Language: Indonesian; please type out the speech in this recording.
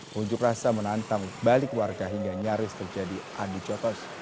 pengunjuk rasa menantang balik warga hingga nyaris terjadi adu jotos